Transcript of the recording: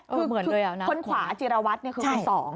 คือเหมือนเลยนะความคือคนขวาจิรวรรดิ์คือคุณสอง